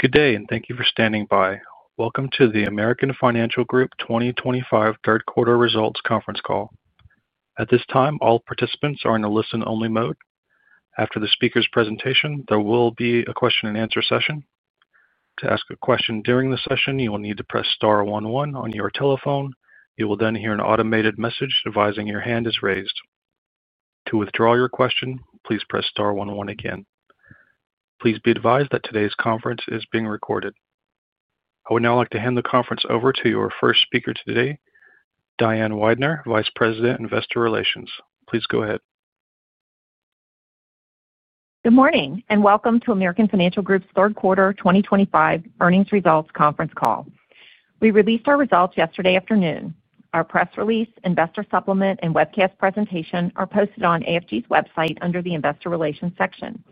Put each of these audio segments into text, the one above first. Good day, and thank you for standing by. Welcome to the American Financial Group 2025 third quarter results conference call. At this time, all participants are in a listen-only mode. After the speaker's presentation, there will be a question-and-answer session. To ask a question during the session, you will need to press star one one on your telephone. You will then hear an automated message advising your hand is raised. To withdraw your question, please press star one one again. Please be advised that today's conference is being recorded. I would now like to hand the conference over to your first speaker today, Diane Weidner, Vice President, Investor Relations. Please go ahead. Good morning, and welcome to American Financial Group's third quarter 2025 earnings results conference call. We released our results yesterday afternoon. Our press release, investor supplement, and webcast presentation are posted on AFG's website under the Investor Relations section.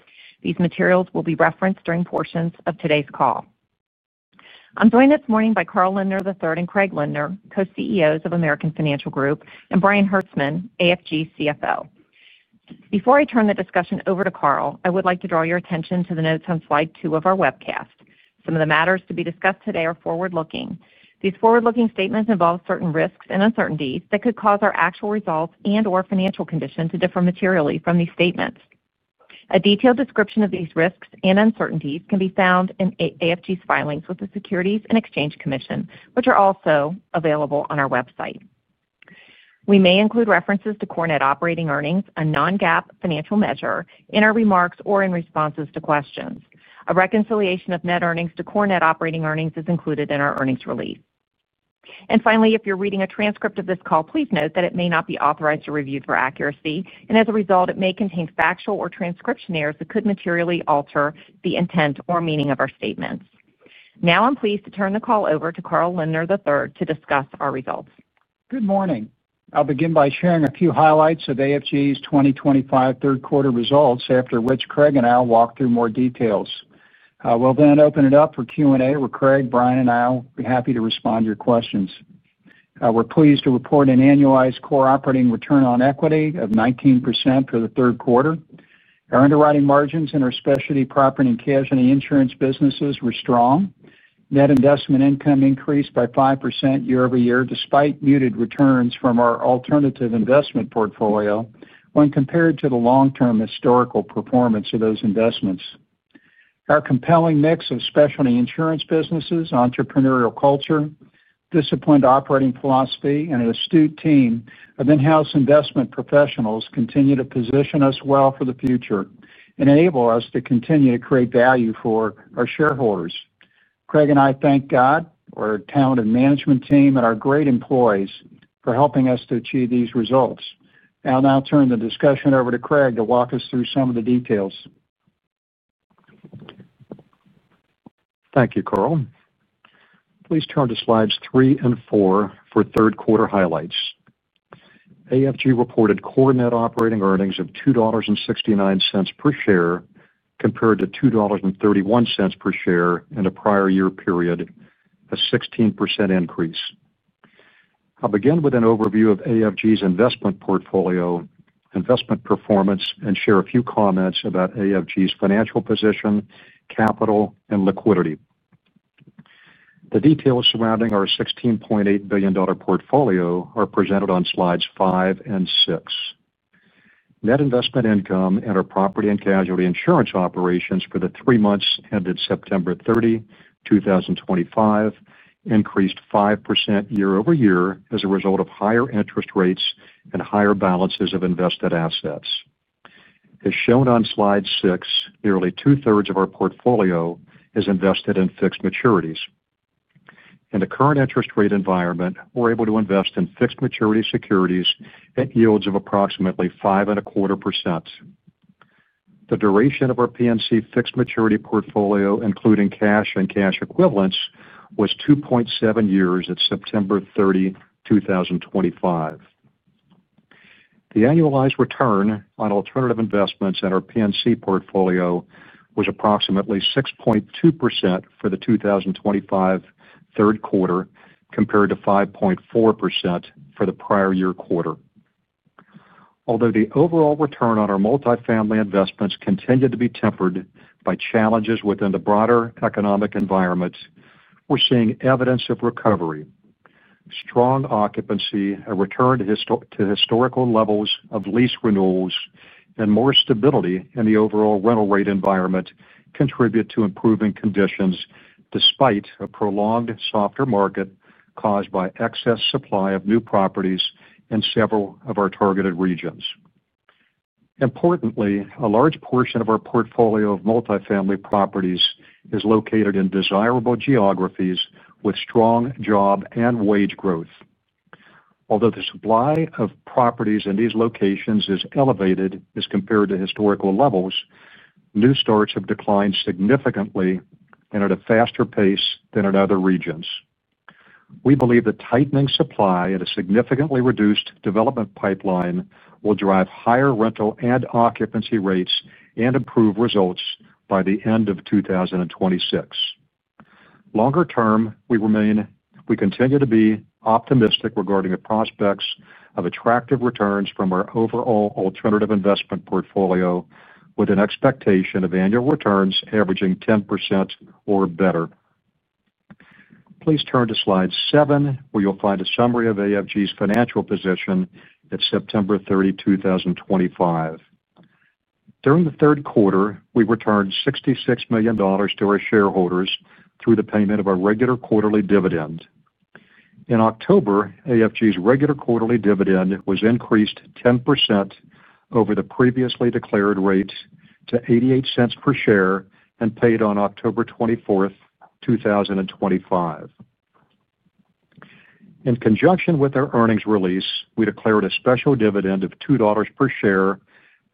These materials will be referenced during portions of today's call. I'm joined this morning by Carl Lindner III and Craig Lindner, Co-CEOs of American Financial Group, and Brian Hertzman, AFG CFO. Before I turn the discussion over to Carl, I would like to draw your attention to the notes on slide two of our webcast. Some of the matters to be discussed today are forward-looking. These forward-looking statements involve certain risks and uncertainties that could cause our actual results and/or financial condition to differ materially from these statements. A detailed description of these risks and uncertainties can be found in AFG's filings with the Securities and Exchange Commission, which are also available on our website. We may include references to core net operating earnings, a non-GAAP financial measure, in our remarks or in responses to questions. A reconciliation of net earnings to core net operating earnings is included in our earnings release. Finally, if you're reading a transcript of this call, please note that it may not be authorized to review for accuracy, and as a result, it may contain factual or transcription errors that could materially alter the intent or meaning of our statements. Now, I'm pleased to turn the call over to Carl Lindner III to discuss our results. Good morning. I'll begin by sharing a few highlights of AFG's 2025 third quarter results after which Craig and I will walk through more details. We'll then open it up for Q&A with Craig, Brian, and I will be happy to respond to your questions. We're pleased to report an annualized core operating return on equity of 19% for the third quarter. Our underwriting margins in our specialty property and casualty insurance businesses were strong. Net investment income increased by 5% year-over-year despite muted returns from our alternative investment portfolio when compared to the long-term historical performance of those investments. Our compelling mix of specialty insurance businesses, entrepreneurial culture, disciplined operating philosophy, and an astute team of in-house investment professionals continue to position us well for the future and enable us to continue to create value for our shareholders. Craig and I thank God, our talented management team, and our great employees for helping us to achieve these results. I'll now turn the discussion over to Craig to walk us through some of the details. Thank you, Carl. Please turn to slides three and four for third quarter highlights. AFG reported core net operating earnings of $2.69 per share compared to $2.31 per share in a prior year period. A 16% increase. I'll begin with an overview of AFG's investment portfolio, investment performance, and share a few comments about AFG's financial position, capital, and liquidity. The details surrounding our $16.8 billion portfolio are presented on slides five and six. Net investment income in our property and casualty insurance operations for the three months ended September 30, 2025, increased 5% year-over-year as a result of higher interest rates and higher balances of invested assets. As shown on slide six, nearly 2/3 of our portfolio is invested in fixed maturities. In the current interest rate environment, we're able to invest in fixed maturity securities at yields of approximately 5.25%. The duration of our PNC fixed maturity portfolio, including cash and cash equivalents, was 2.7 years at September 30, 2025. The annualized return on alternative investments in our PNC portfolio was approximately 6.2% for the 2025 third quarter compared to 5.4% for the prior year quarter. Although the overall return on our multifamily investments continued to be tempered by challenges within the broader economic environment, we're seeing evidence of recovery. Strong occupancy and return to historical levels of lease renewals and more stability in the overall rental rate environment contribute to improving conditions despite a prolonged softer market caused by excess supply of new properties in several of our targeted regions. Importantly, a large portion of our portfolio of multifamily properties is located in desirable geographies with strong job and wage growth. Although the supply of properties in these locations is elevated as compared to historical levels, new starts have declined significantly and at a faster pace than in other regions. We believe the tightening supply and a significantly reduced development pipeline will drive higher rental and occupancy rates and improve results by the end of 2026. Longer term, we continue to be optimistic regarding the prospects of attractive returns from our overall alternative investment portfolio with an expectation of annual returns averaging 10% or better. Please turn to slide seven, where you'll find a summary of AFG's financial position at September 30, 2025. During the third quarter, we returned $66 million to our shareholders through the payment of a regular quarterly dividend. In October, AFG's regular quarterly dividend was increased 10% over the previously declared rate to $0.88 per share and paid on October 24th, 2025. In conjunction with our earnings release, we declared a special dividend of $2 per share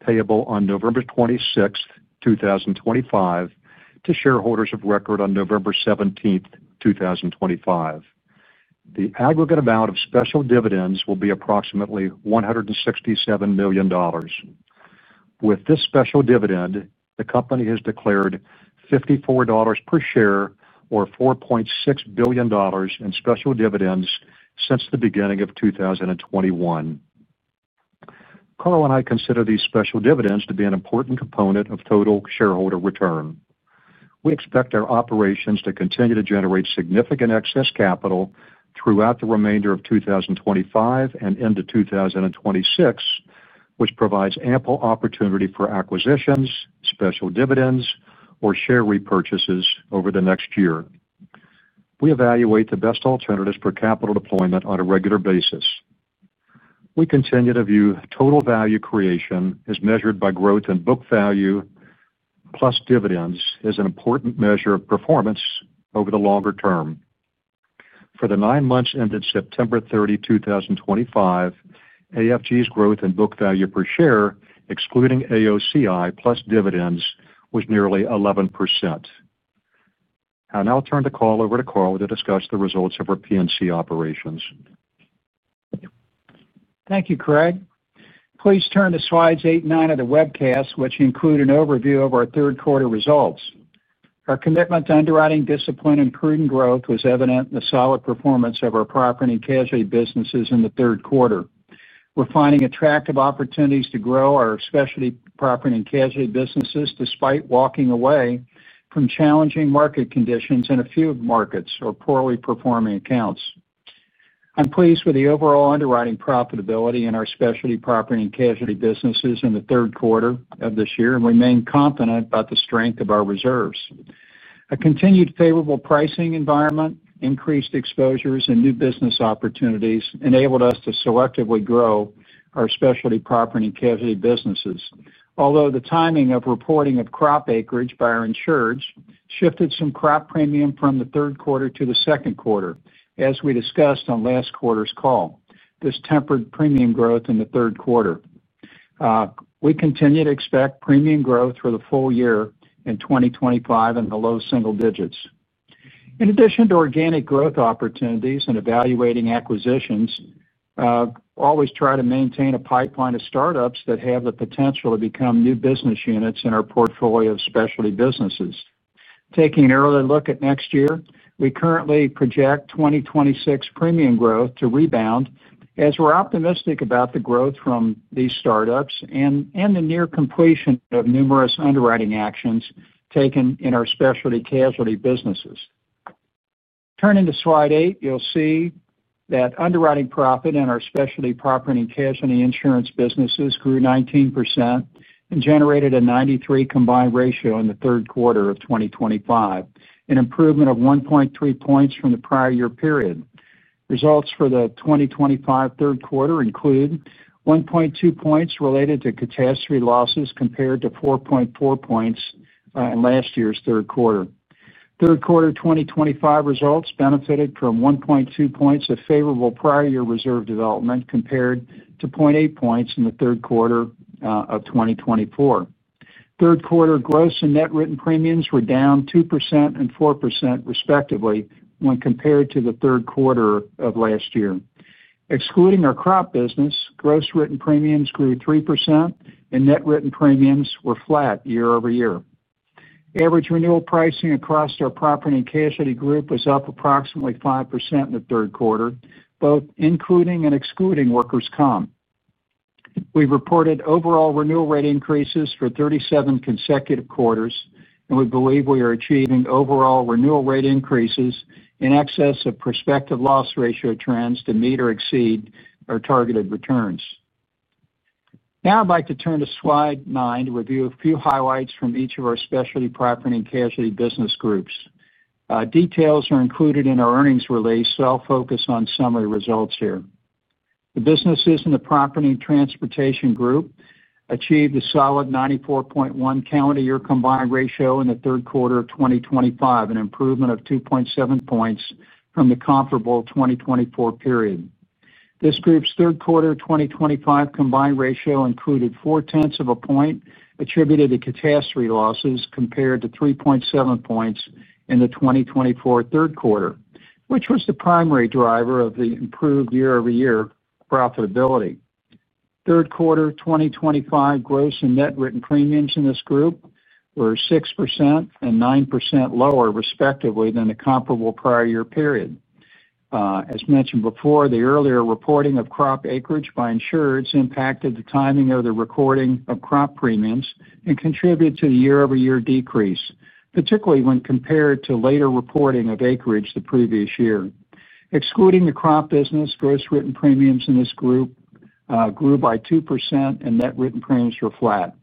payable on November 26, 2025, to shareholders of record on November 17th, 2025. The aggregate amount of special dividends will be approximately $167 million. With this special dividend, the company has declared $54 per share or $4.6 billion in special dividends since the beginning of 2021. Carl and I consider these special dividends to be an important component of total shareholder return. We expect our operations to continue to generate significant excess capital throughout the remainder of 2025 and into 2026, which provides ample opportunity for acquisitions, special dividends, or share repurchases over the next year. We evaluate the best alternatives for capital deployment on a regular basis. We continue to view total value creation as measured by growth in book value plus dividends as an important measure of performance over the longer term. For the nine months ended September 30, 2025, AFG's growth in book value per share, excluding AOCI plus dividends, was nearly 11%. I now turn the call over to Carl to discuss the results of our PNC operations. Thank you, Craig. Please turn to slides eight and nine of the webcast, which include an overview of our third quarter results. Our commitment to underwriting discipline and prudent growth was evident in the solid performance of our property and casualty businesses in the third quarter. We're finding attractive opportunities to grow our specialty property and casualty businesses despite walking away from challenging market conditions in a few of the markets or poorly performing accounts. I'm pleased with the overall underwriting profitability in our specialty property and casualty businesses in the third quarter of this year and remain confident about the strength of our reserves. A continued favorable pricing environment, increased exposures, and new business opportunities enabled us to selectively grow our specialty property and casualty businesses. Although the timing of reporting of crop acreage by our insureds shifted some crop premium from the third quarter to the second quarter, as we discussed on last quarter's call, this tempered premium growth in the third quarter. We continue to expect premium growth for the full year in 2025 in below single digits. In addition to organic growth opportunities and evaluating acquisitions, we always try to maintain a pipeline of startups that have the potential to become new business units in our portfolio of specialty businesses. Taking an early look at next year, we currently project 2026 premium growth to rebound as we're optimistic about the growth from these startups and the near completion of numerous underwriting actions taken in our specialty casualty businesses. Turning to slide eight, you'll see that underwriting profit in our specialty property and casualty insurance businesses grew 19% and generated a 93 combined ratio in the third quarter of 2025, an improvement of 1.3 points from the prior year period. Results for the 2025 third quarter include 1.2 points related to catastrophe losses compared to 4.4 points in last year's third quarter. Third quarter 2025 results benefited from 1.2 points of favorable prior year reserve development compared to 0.8 points in the third quarter of 2024. Third quarter gross and net written premiums were down 2% and 4% respectively when compared to the third quarter of last year. Excluding our crop business, gross written premiums grew 3% and net written premiums were flat year-over-year. Average renewal pricing across our property and casualty group was up approximately 5% in the third quarter, both including and excluding workers' comp. We've reported overall renewal rate increases for 37 consecutive quarters, and we believe we are achieving overall renewal rate increases in excess of prospective loss ratio trends to meet or exceed our targeted returns. Now I'd like to turn to slide nine to review a few highlights from each of our specialty property and casualty business groups. Details are included in our earnings release, so I'll focus on summary results here. The businesses in the property and transportation group achieved a solid 94.1 combined ratio in the third quarter of 2025, an improvement of 2.7 points from the comparable 2024 period. This group's third quarter 2025 combined ratio included 0.4 of a point attributed to catastrophe losses compared to 3.7 points in the 2024 third quarter, which was the primary driver of the improved year-over-year profitability. Third quarter 2025 gross and net written premiums in this group were 6% and 9% lower respectively than the comparable prior year period. As mentioned before, the earlier reporting of crop acreage by insureds impacted the timing of the recording of crop premiums and contributed to the year-over-year decrease, particularly when compared to later reporting of acreage the previous year. Excluding the crop business, gross written premiums in this group grew by 2% and net written premiums were flat.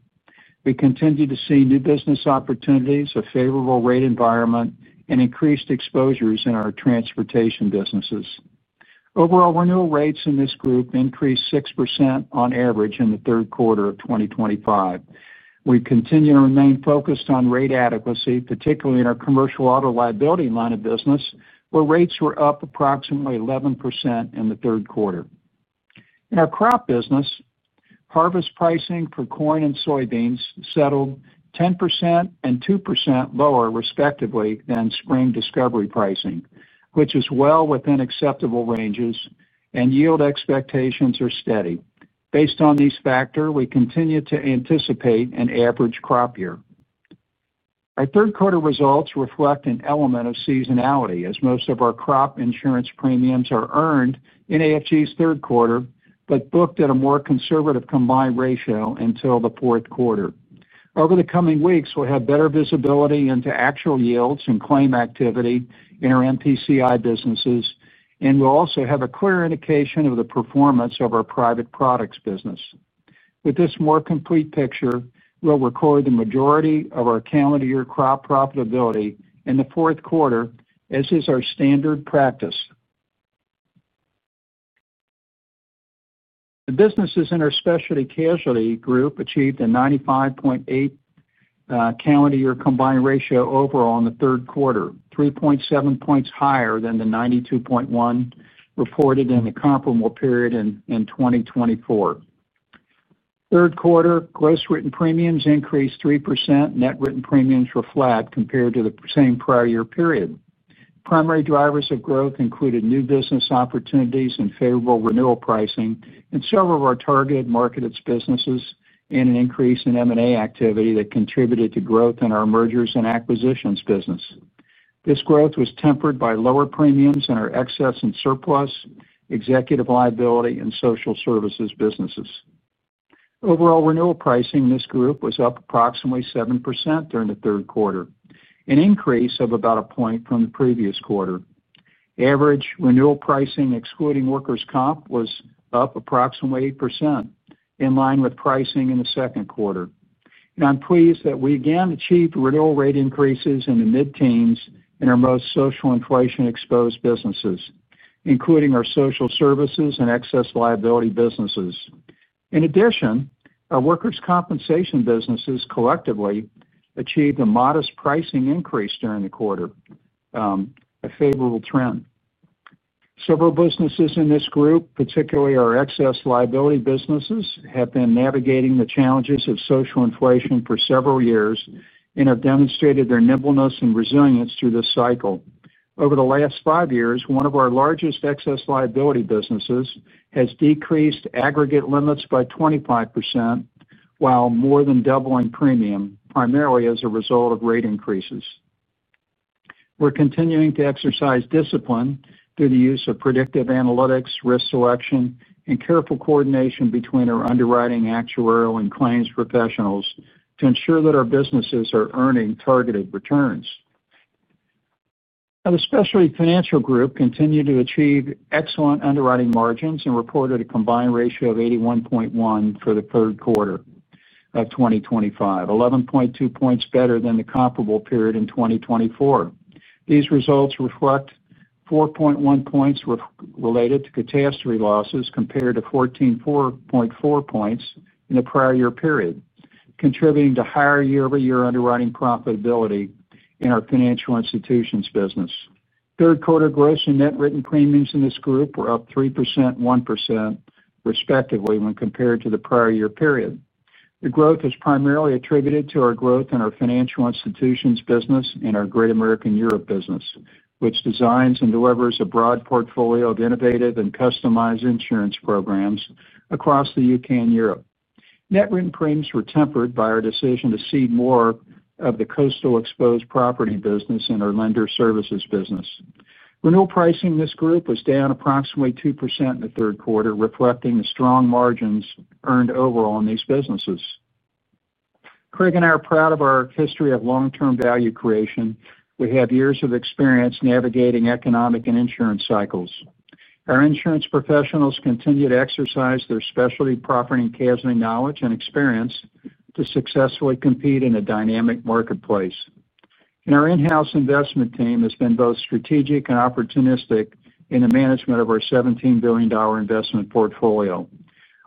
We continue to see new business opportunities, a favorable rate environment, and increased exposures in our transportation businesses. Overall, renewal rates in this group increased 6% on average in the third quarter of 2025. We continue to remain focused on rate adequacy, particularly in our commercial auto liability line of business, where rates were up approximately 11% in the third quarter. In our crop business. Harvest pricing for corn and soybeans settled 10% and 2% lower respectively than spring discovery pricing, which is well within acceptable ranges, and yield expectations are steady. Based on these factors, we continue to anticipate an average crop year. Our third quarter results reflect an element of seasonality, as most of our crop insurance premiums are earned in AFG's third quarter but booked at a more conservative combined ratio until the fourth quarter. Over the coming weeks, we'll have better visibility into actual yields and claim activity in our MPCI businesses, and we'll also have a clear indication of the performance of our private products business. With this more complete picture, we'll record the majority of our calendar year crop profitability in the fourth quarter, as is our standard practice. The businesses in our specialty casualty group achieved a 95.8. Calendar year combined ratio overall in the third quarter, 3.7 percentage points higher than the 92.1 reported in the comparable period in 2024. Third quarter, gross written premiums increased 3%, net written premiums were flat compared to the same prior year period. Primary drivers of growth included new business opportunities and favorable renewal pricing, and several of our targeted marketed businesses and an increase in M&A activity that contributed to growth in our mergers and acquisitions business. This growth was tempered by lower premiums in our excess and surplus executive liability and social services businesses. Overall renewal pricing in this group was up approximately 7% during the third quarter, an increase of about a point from the previous quarter. Average renewal pricing, excluding workers' comp, was up approximately 8%. In line with pricing in the second quarter. I'm pleased that we again achieved renewal rate increases in the mid-teens in our most social inflation-exposed businesses, including our social services and excess liability businesses. In addition, our workers' compensation businesses collectively achieved a modest pricing increase during the quarter. A favorable trend. Several businesses in this group, particularly our excess liability businesses, have been navigating the challenges of social inflation for several years and have demonstrated their nimbleness and resilience through this cycle. Over the last five years, one of our largest excess liability businesses has decreased aggregate limits by 25% while more than doubling premium, primarily as a result of rate increases. We're continuing to exercise discipline through the use of predictive analytics, risk selection, and careful coordination between our underwriting, actuarial, and claims professionals to ensure that our businesses are earning targeted returns. Now, the specialty financial group continued to achieve excellent underwriting margins and reported a combined ratio of 81.1 for the third quarter of 2025, 11.2 percentage points better than the comparable period in 2024. These results reflect 4.1 percentage points related to catastrophe losses compared to 14.4 percentage points in the prior year period, contributing to higher year-over-year underwriting profitability in our financial institutions business. Third quarter gross and net written premiums in this group were up 3% and 1% respectively when compared to the prior year period. The growth is primarily attributed to our growth in our financial institutions business and our Great American Europe business, which designs and delivers a broad portfolio of innovative and customized insurance programs across the U.K. and Europe. Net written premiums were tempered by our decision to cede more of the coastal exposed property business in our lender services business. Renewal pricing in this group was down approximately 2% in the third quarter, reflecting the strong margins earned overall in these businesses. Craig and I are proud of our history of long-term value creation. We have years of experience navigating economic and insurance cycles. Our insurance professionals continue to exercise their specialty property and casualty knowledge and experience to successfully compete in a dynamic marketplace. Our in-house investment team has been both strategic and opportunistic in the management of our $17 billion investment portfolio.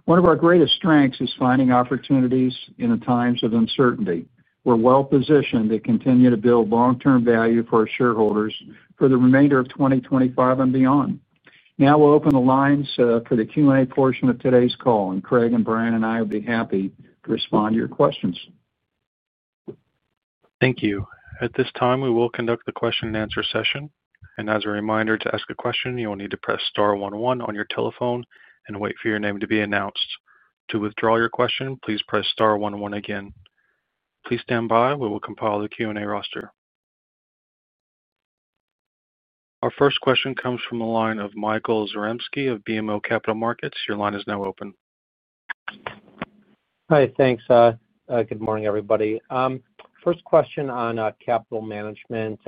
One of our greatest strengths is finding opportunities in times of uncertainty. We're well-positioned to continue to build long-term value for our shareholders for the remainder of 2025 and beyond. Now we'll open the lines for the Q&A portion of today's call, and Craig and Brian and I will be happy to respond to your questions. Thank you. At this time, we will conduct the question-and-answer session. As a reminder, to ask a question, you will need to press star one one on your telephone and wait for your name to be announced. To withdraw your question, please press star one one again. Please stand by. We will compile the Q&A roster. Our first question comes from the line of Michael Zaremski of BMO Capital Markets. Your line is now open. Hi, thanks. Good morning, everybody. First question on capital management.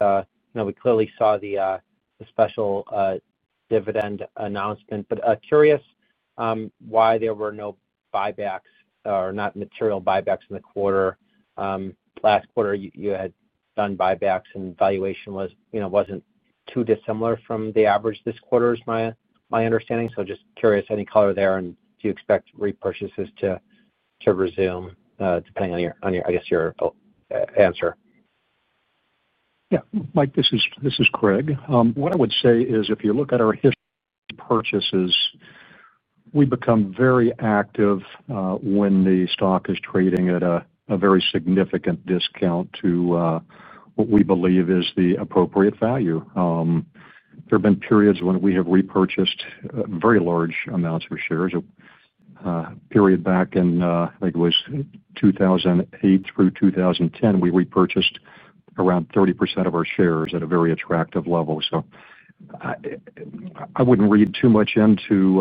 We clearly saw the special dividend announcement, but curious why there were no buybacks or not material buybacks in the quarter. Last quarter, you had done buybacks and valuation was not too dissimilar from the average this quarter is my understanding. Just curious, any color there? Do you expect repurchases to resume depending on, I guess, your answer? Yeah. Mike, this is Craig. What I would say is if you look at our history of purchases, we become very active when the stock is trading at a very significant discount to what we believe is the appropriate value. There have been periods when we have repurchased very large amounts of shares. A period back in, I think it was 2008 through 2010, we repurchased around 30% of our shares at a very attractive level. I would not read too much into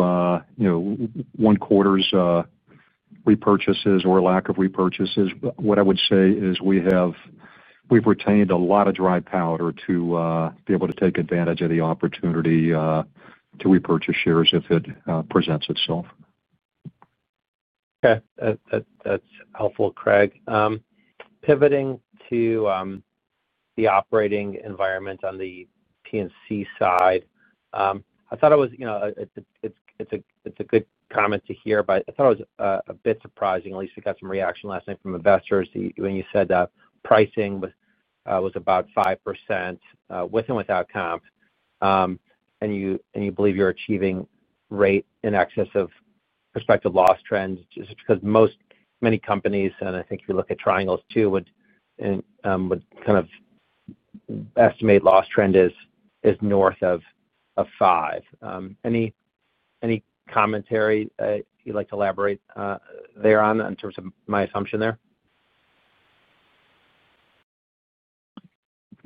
one quarter's repurchases or lack of repurchases. What I would say is we have retained a lot of dry powder to be able to take advantage of the opportunity to repurchase shares if it presents itself. Okay. That's helpful, Craig. Pivoting to the operating environment on the P&C side. I thought it was a good comment to hear, but I thought it was a bit surprising, at least we got some reaction last night from investors when you said pricing was about 5% with and without comp. You believe you're achieving rate in excess of prospective loss trends just because many companies, and I think if you look at triangles too, would kind of estimate loss trend is north of 5%. Any commentary you'd like to elaborate there on in terms of my assumption there?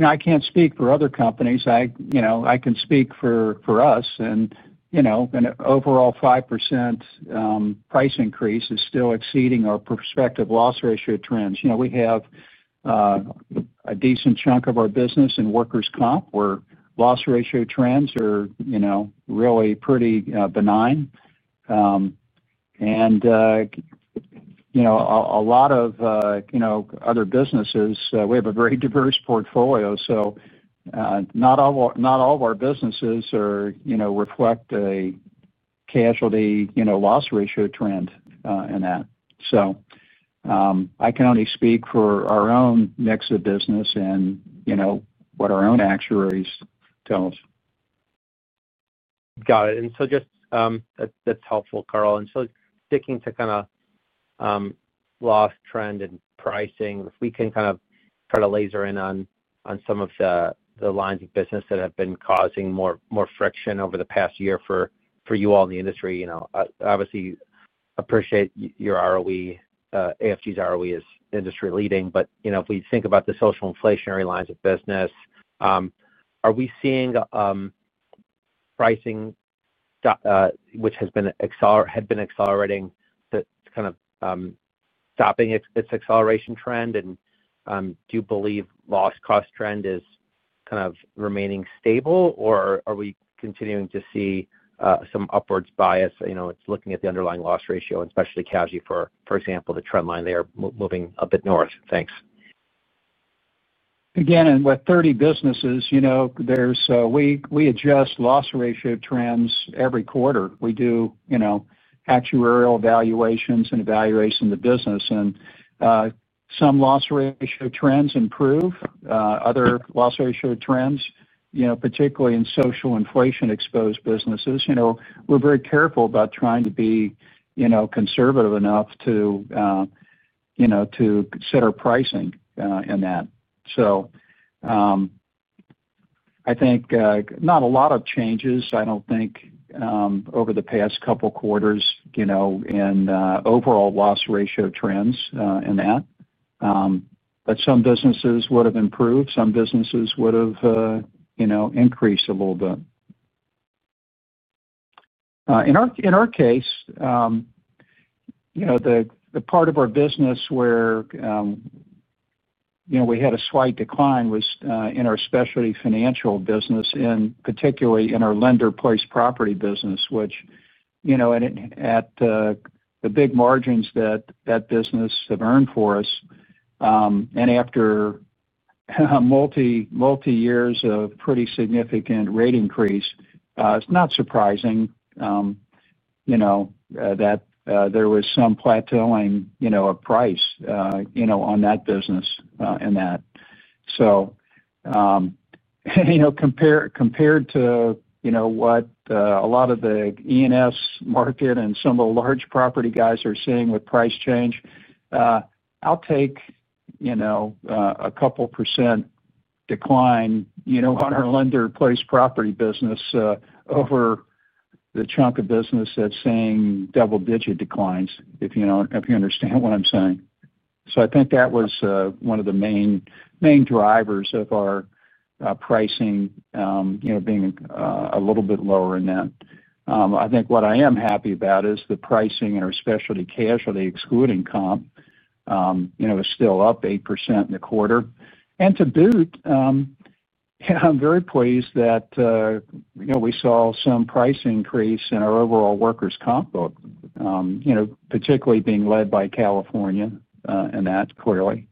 I can't speak for other companies. I can speak for us. An overall 5% price increase is still exceeding our prospective loss ratio trends. We have a decent chunk of our business in workers' comp where loss ratio trends are really pretty benign. A lot of other businesses, we have a very diverse portfolio. Not all of our businesses reflect a casualty loss ratio trend in that. I can only speak for our own mix of business and what our own actuaries tell us. Got it. Just. That's helpful, Carl. Sticking to kind of loss trend and pricing, if we can kind of try to laser in on some of the lines of business that have been causing more friction over the past year for you all in the industry. Obviously, appreciate your ROE, AFG's ROE is industry-leading, but if we think about the social inflationary lines of business. Are we seeing pricing which has been accelerating kind of stopping its acceleration trend? Do you believe the loss cost trend is kind of remaining stable, or are we continuing to see some upwards bias? It's looking at the underlying loss ratio, and especially casualty, for example, the trend line there moving a bit north. Thanks. Again, with 30 businesses. We adjust loss ratio trends every quarter. We do actuarial evaluations and evaluations of the business. Some loss ratio trends improve. Other loss ratio trends, particularly in social inflation-exposed businesses, we're very careful about trying to be conservative enough to set our pricing in that. I think not a lot of changes. I don't think over the past couple of quarters in overall loss ratio trends in that. Some businesses would have improved. Some businesses would have increased a little bit. In our case, the part of our business where we had a slight decline was in our specialty financial business, and particularly in our lender-priced property business, which, at the big margins that that business had earned for us, and after multi-years of pretty significant rate increase, it's not surprising that there was some plateauing of price on that business in that. Compared to what a lot of the E&S market and some of the large property guys are seeing with price change, I'll take a couple percent decline on our lender-priced property business over the chunk of business that's seeing double-digit declines, if you understand what I'm saying. I think that was one of the main drivers of our pricing being a little bit lower in that. I think what I am happy about is the pricing in our specialty casualty excluding comp is still up 8% in the quarter. To boot, I'm very pleased that we saw some price increase in our overall workers' comp, particularly being led by California in that, clearly.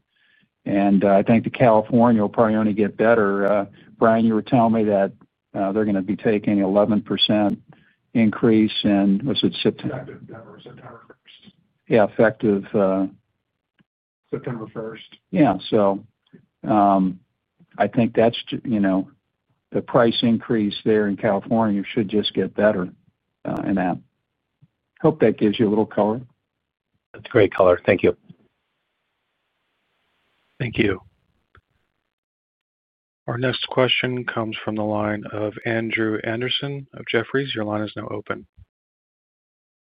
I think the California will probably only get better. Brian, you were telling me that they're going to be taking an 11% increase in, was it September 1? Yeah, effective. September 1st. Yeah. I think that's the price increase there in California should just get better in that. Hope that gives you a little color. That's great color. Thank you. Thank you. Our next question comes from the line of Andrew Andersen of Jefferies. Your line is now open.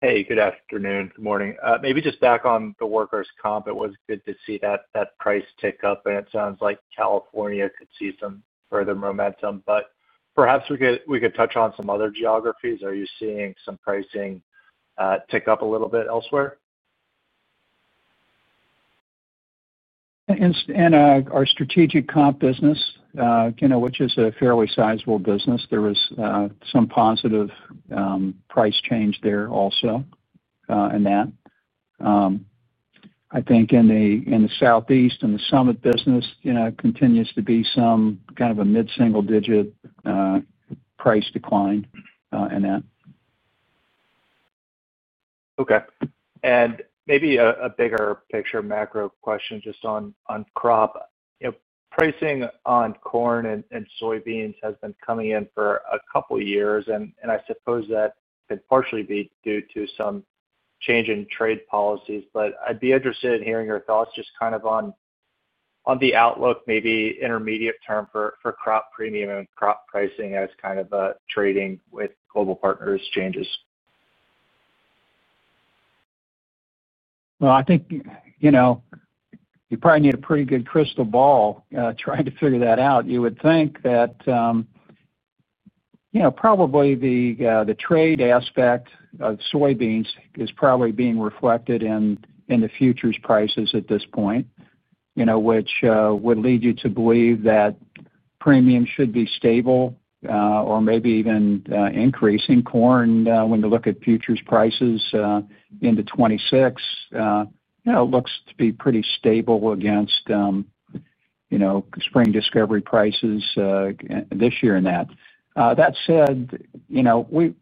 Hey, good afternoon. Good morning. Maybe just back on the workers' comp, it was good to see that price tick up. It sounds like California could see some further momentum. Perhaps we could touch on some other geographies. Are you seeing some pricing tick up a little bit elsewhere? In our strategic comp business, which is a fairly sizable business, there was some positive price change there also. In that, I think in the Southeast and the Summit business, continues to be some kind of a mid-single-digit price decline in that. Okay. Maybe a bigger picture, macro question just on crop. Pricing on corn and soybeans has been coming in for a couple of years. I suppose that can partially be due to some change in trade policies. I would be interested in hearing your thoughts just kind of on the outlook, maybe intermediate term for crop premium and crop pricing as kind of trading with global partners changes. I think you probably need a pretty good crystal ball trying to figure that out. You would think that probably the trade aspect of soybeans is probably being reflected in the futures prices at this point, which would lead you to believe that premium should be stable or maybe even increasing. Corn, when you look at futures prices into 2026, looks to be pretty stable against spring discovery prices this year in that. That said, we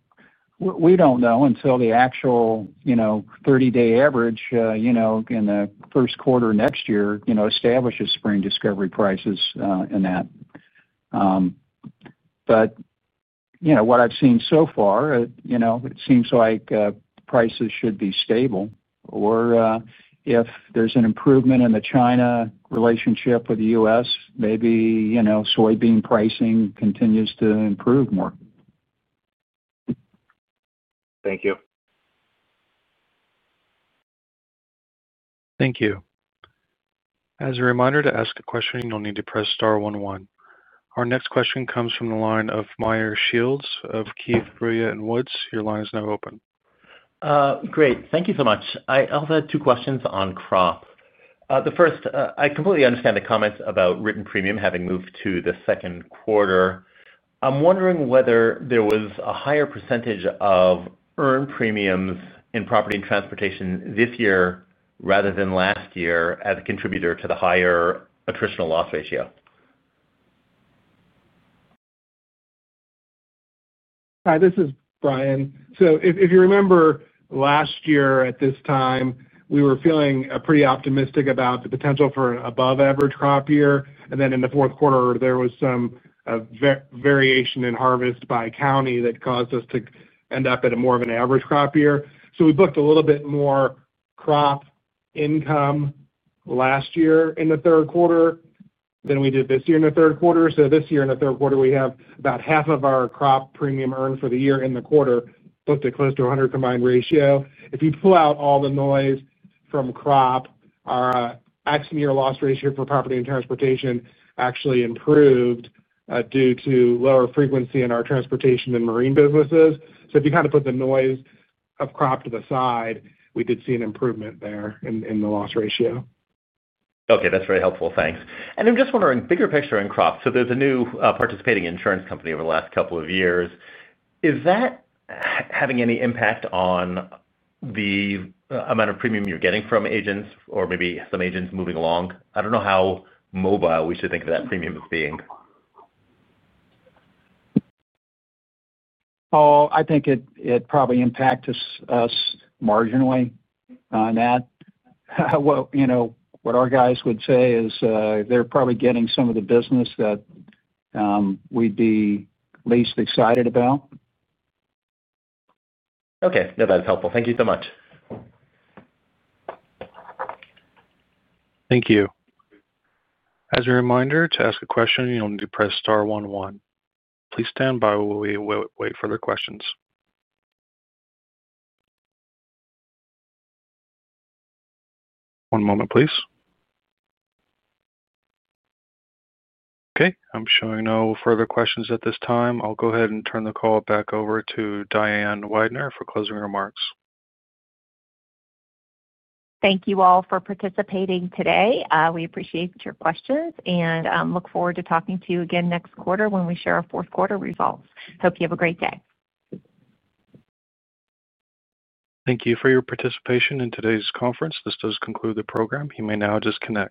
do not know until the actual 30-day average in the first quarter next year establishes spring discovery prices in that. What I have seen so far, it seems like prices should be stable, or if there is an improvement in the China relationship with the U.S., maybe soybean pricing continues to improve more. Thank you. Thank you. As a reminder to ask a question, you'll need to press star one one. Our next question comes from the line of Meyer Shields of Keefe, Bruyette & Woods. Your line is now open. Great. Thank you so much. I also had two questions on crop. The first, I completely understand the comments about written premium having moved to the second quarter. I'm wondering whether there was a higher percentage of earned premiums in property and transportation this year rather than last year as a contributor to the higher attritional loss ratio. Hi, this is Brian. If you remember last year at this time, we were feeling pretty optimistic about the potential for an above-average crop year. In the fourth quarter, there was some variation in harvest by county that caused us to end up at more of an average crop year. We booked a little bit more crop income last year in the third quarter than we did this year in the third quarter. This year in the third quarter, we have about half of our crop premium earned for the year in the quarter booked at close to 100% combined ratio. If you pull out all the noise from crop, our ex-year loss ratio for property and transportation actually improved due to lower frequency in our transportation and marine businesses. If you kind of put the noise of crop to the side, we did see an improvement there in the loss ratio. Okay. That's very helpful. Thanks. I'm just wondering, bigger picture in crop. There's a new participating insurance company over the last couple of years. Is that having any impact on the amount of premium you're getting from agents or maybe some agents moving along? I don't know how mobile we should think of that premium as being. Oh, I think it probably impacts us marginally on that. What our guys would say is they're probably getting some of the business that we'd be least excited about. Okay. No, that's helpful. Thank you so much. Thank you. As a reminder, to ask a question, you'll need to press star one one. Please stand by while we wait for the questions. One moment, please. Okay. I'm showing no further questions at this time. I'll go ahead and turn the call back over to Diane Weidner for closing remarks. Thank you all for participating today. We appreciate your questions and look forward to talking to you again next quarter when we share our fourth quarter results. Hope you have a great day. Thank you for your participation in today's conference. This does conclude the program. You may now disconnect.